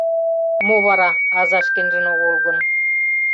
Мо вара, аза шкенжын огыл гын?